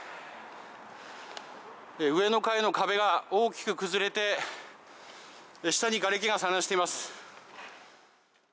上の階の壁は大きく崩れて下にがれきが散乱しています。